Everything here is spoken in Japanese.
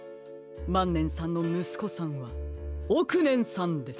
まんねんさんのむすこさんはおくねんさんです！